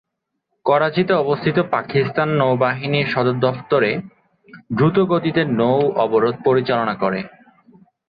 করাচীতে অবস্থিত পাকিস্তান নৌবাহিনীর সদর দফতরে দ্রুতগতিতে নৌ অবরোধ পরিচালনা করে।